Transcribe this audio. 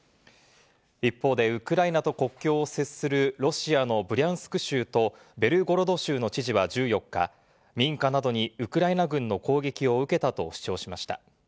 一方でウクライナと国境を接するロシアのブリャンスク州とベルゴロド州の知事は１４日、民家などにウクライナ軍の攻撃を受けたと主張しました。